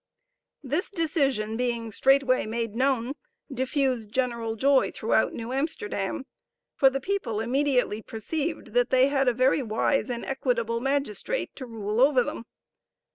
This decision being straightway made known, diffused general joy throughout New Amsterdam, for the people immediately perceived that they had a very wise and equitable magistrate to rule over them.